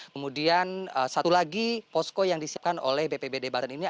kemudian satu lagi posko yang disiapkan oleh bpbd banten ini